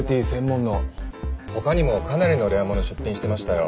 ほかにもかなりのレア物出品してましたよ。